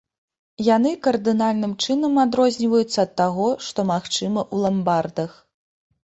Яны кардынальным чынам адрозніваюцца ад таго, што магчыма ў ламбардах.